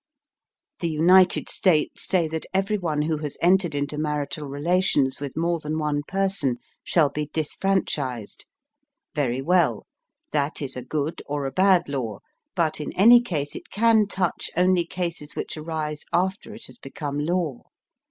The United States say that every one who has entered into marital relations with more than one person shall be disfran chised. Very well ; that is a good or a bad law, but in any case it can touch only cases, which arise after it has become law.